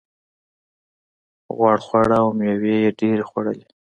غوړ خواړه او مېوې یې ډېرې خوړلې.